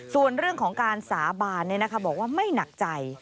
ส่วนเรื่องของการสาบานเนี่ยนะครับบอกว่าไม่หนักใจ